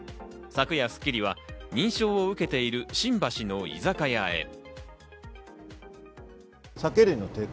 昨夜、『スッキリ』は認証を受けている新橋の居酒屋へ。